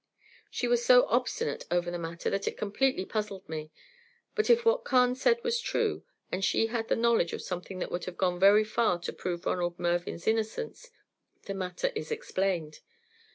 She was so obstinate over the matter that it completely puzzled me; but if what Carne said was true, and she had the knowledge of something that would have gone very far to prove Ronald Mervyn's innocence, the matter is explained.